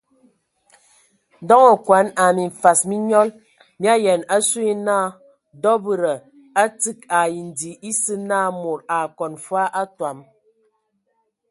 Ndɔŋ okɔn ai mimfasɛn mi nyɔl mi ayaan asu yə naa dɔbəda a tsig ai ndi esə na mod a akɔn fwa atɔm.